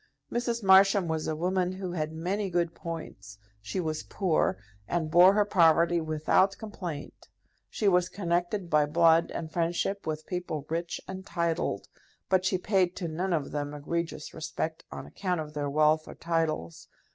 Mrs. Marsham was a woman who had many good points. She was poor, and bore her poverty without complaint She was connected by blood and friendship with people rich and titled; but she paid to none of them egregious respect on account of their wealth or titles.